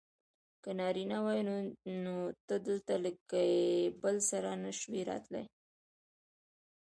که نارینه وای نو ته دلته له کیبل سره نه شوای راتلای.